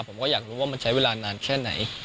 ผมก็อยากรู้ว่ามันใช้เวลานานแค่ไหน